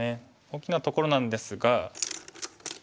大きなところなんですが。